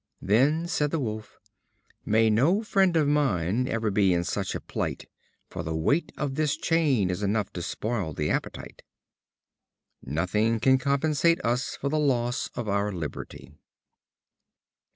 Then, said the Wolf: "May no friend of mine ever be in such a plight; for the weight of this chain is enough to spoil the appetite." Nothing can compensate us for the loss of our liberty.